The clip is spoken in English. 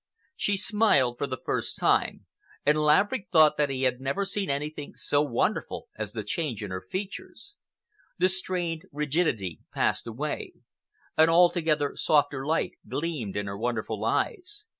She smiled for the first time, and Laverick thought that he had never seen anything so wonderful as the change in her features. The strained rigidity passed away. An altogether softer light gleamed in her wonderful eyes.